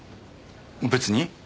別に。